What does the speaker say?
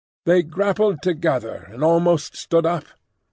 They grappled together and almost stood up.